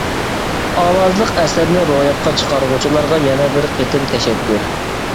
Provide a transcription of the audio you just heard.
ئاۋازلىق ئەسەرنى روياپقا چىقارغۇچىلارغا يەنە بىر قېتىم تەشەككۈر.